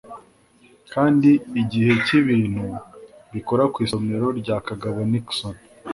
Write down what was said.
Kandi igihe cyibintu bikora ku isomero rya Kagabo Nixon